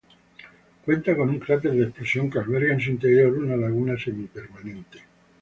Cuenta con un cráter de explosión que alberga en su interior una laguna semipermanente.